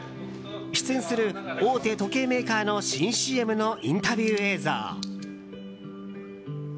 出演する大手時計メーカーの新ＣＭのインタビュー映像。